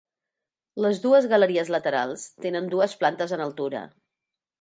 Les dues galeries laterals tenen dues plantes en altura.